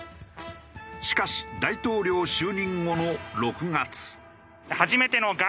しかし大統領就任後の６月。